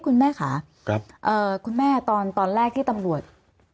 คุณแม่ค่ะคุณแม่ตอนแรกที่ตำรวจ